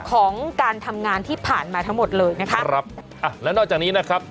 ของการทำงานที่ผ่านมาทั้งหมดเลยนะคะครับอ่ะแล้วนอกจากนี้นะครับ